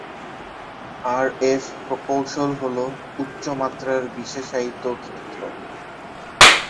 আর F প্রকৌশল হলো উচ্চ মাত্রার বিশেষায়িত ক্ষেত্র।